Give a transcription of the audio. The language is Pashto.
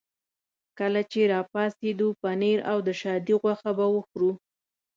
کله چې را پاڅېدو پنیر او د شادي غوښه به وخورو.